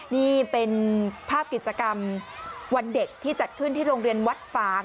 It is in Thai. นี่เป็นภาพกิจกรรมวันเด็กที่จัดขึ้นที่โรงเรียนวัดฝาง